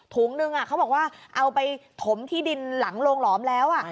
ถุงนึงเขาบอกว่าเอาไปถมที่ดินหลังโรงหลอมแล้ว